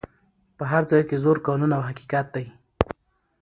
په هر ځای کي زور قانون او حقیقت دی